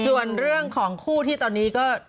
ส่วนเรื่องของคู่ที่ตอนนี้ก็